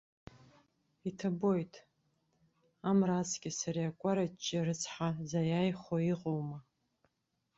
Иҭабоит, амра аҵкьыс ари акәараҷҷа рыцҳа заиааихо иҟоума.